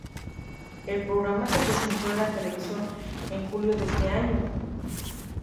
El programa se presentó en la televisión en julio de ese año.